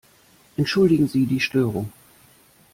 Entschuldigen Sie die Störung!